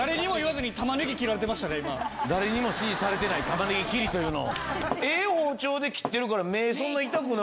誰にも指示されてない玉ねぎ切りというのを。